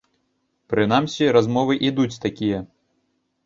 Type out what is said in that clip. Прынамсі, размовы ідуць такія.